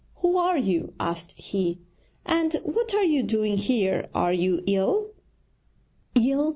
'Who are you?' asked he 'and what are you doing here are you ill?' 'Ill?'